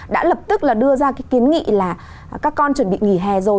đã lập tức là đưa ra cái kiến nghị là các con chuẩn bị nghỉ hè rồi